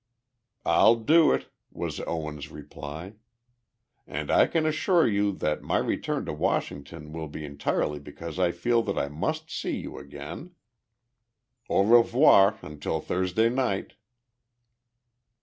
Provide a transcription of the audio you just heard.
"I'll do it," was Owen's reply, "and I can assure you that my return to Washington will be entirely because I feel that I must see you again. Au revoir, until Thursday night."